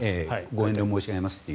ご遠慮申し上げますと。